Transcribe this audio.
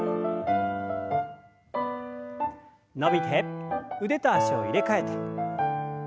伸びて腕と脚を入れ替えて。